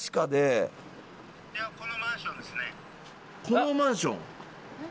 このマンション？